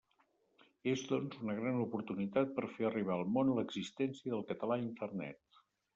És, doncs, una gran oportunitat per a fer arribar al món l'existència del català a Internet.